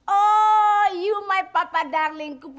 oh kamu papa ku sayangku